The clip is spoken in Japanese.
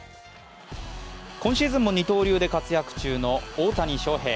今シーズンも二刀流で活躍中の大谷翔平。